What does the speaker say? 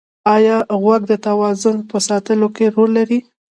ایا غوږ د توازن په ساتلو کې رول لري؟